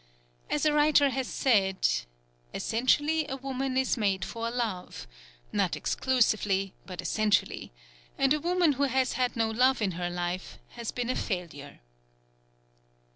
As a writer has said: "Essentially, a woman is made for love not exclusively, but essentially; and a woman who has had no love in her life has been a failure."